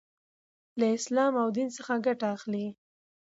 لـه اسـلام او ديـن څـخه ګـټه اخـلي .